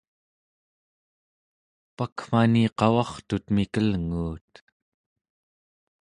pakmani qavartut mikelnguut